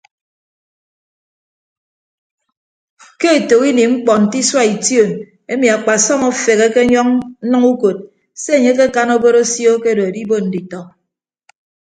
Ke etәk ini mkpọ nte isua ition emi akpasọm afeheke ọnyọñ nnʌñ ukod se enye akekan obod osio akedo edibon nditọ.